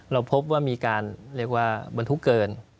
เราพบว่ามีการบรรทุกเกิน